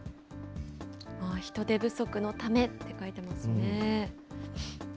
人手不足のためって書いてますね。